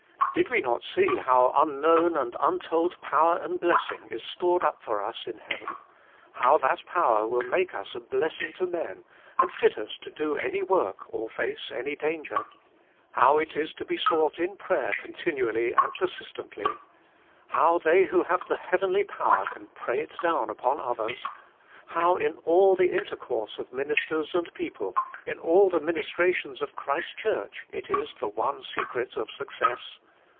Did we not see how unknown and untold power and blessing is stored up for us in heaven ? how that power will make us a blessing to men, and fit us to do any work or face any danger ? how it is to be sought in prayer continually and persistently ? how they who have the heavenly power can pray it down upon others ? how in all the intercourse of ministers and people, in all the ministrations of Christ s Church, it is the one secret of success